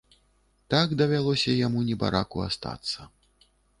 Так давялося яму, небараку, астацца.